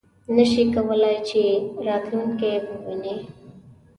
نه شي کولای چې راتلونکی وویني .